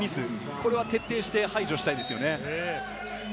これは徹底して排除したいですね。